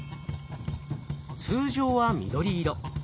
通常は緑色。